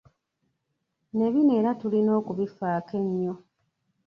Ne bino era tulina okubifaako ennyo.